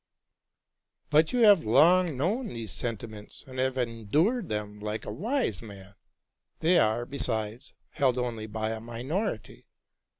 '* But you have long known these sentiments, and have endured them like a wise man: they are, besides, held only by a minority.